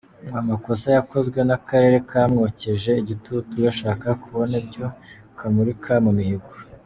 Ngo amakosa yakozwe n’Akarere kamwokeje igitutu gashaka kubona ibyo kamurika mu mihigo.